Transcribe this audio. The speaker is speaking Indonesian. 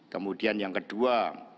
kemudian yang kedua